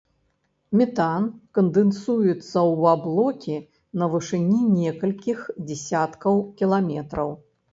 Метан кандэнсуецца ў аблокі на вышыні некалькіх дзесяткаў кіламетраў.